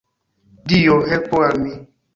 Dio, helpu al mi!